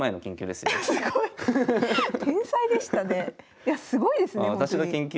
いやすごいですね